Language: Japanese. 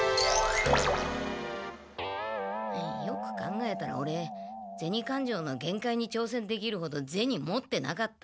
よく考えたらオレゼニかんじょうの限界に挑戦できるほどゼニ持ってなかった。